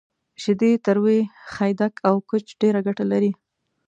شیدې، تروی، خیدک، او کوچ ډیره ګټه لری